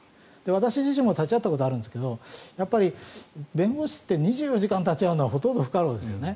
私自身も立ち会ったことがあるんですがやっぱり、弁護士って２４時間立ち会うのはほとんど不可能ですよね。